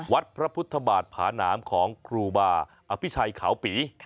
วัดพระพุทธบาทผาหนามของครูบาอภิชัยขาวปี